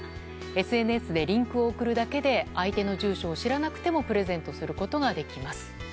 ＳＮＳでリンクを送るだけで相手の住所を知らなくてもプレゼントすることができます。